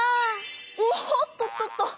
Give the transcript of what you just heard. おっとっとっと。